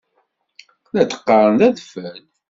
La d-qqaṛen d adfel.